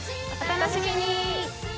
お楽しみに！